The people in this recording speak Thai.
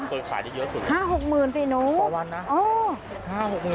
เออขายได้เยอะสุดประมาณ๕๖๐๐๐๐สินิ้วเออ